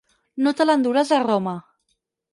No te l'enduràs a Roma.